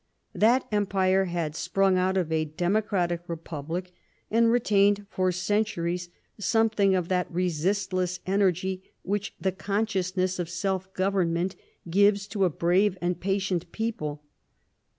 That empire had sprung out of a democratic republic, and retained for centuries something of that resistless energy which the consciousness of self government gives to a brave and patient people.